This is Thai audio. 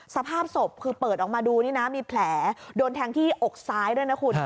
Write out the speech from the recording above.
สภาพศพคือเปิดออกมาดูนี่นะมีแผลโดนแทงที่อกซ้ายด้วยนะคุณ